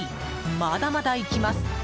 まだまだいきます。